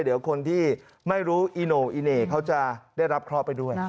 เดี๋ยวคนที่ไม่รู้อีโน่อีเหน่เขาจะได้รับเคราะห์ไปด้วย